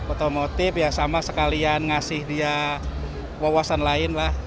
otomotif ya sama sekalian ngasih dia wawasan lain lah